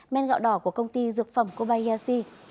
men gạo đỏ của công ty dược phẩm kobayashi